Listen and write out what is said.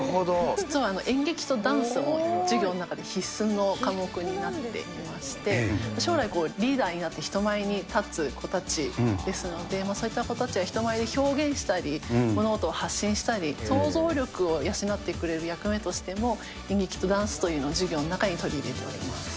実は演劇とダンスを授業の中で必須の科目になっていまして、将来リーダーになって、人前に立つ子たちですので、そういった子たちは人前で表現したり、物事を発信したり、創造力を養ってくれる役目としても、演劇とダンスを授業の中に取り入れております。